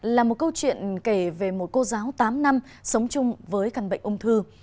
là một câu chuyện kể về một cô giáo tám năm sống chung với căn bệnh ung thư